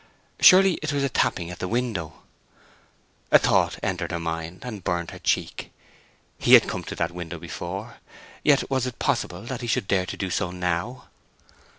Surely it was a tapping at the window. A thought entered her mind, and burned her cheek. He had come to that window before; yet was it possible that he should dare to do so now!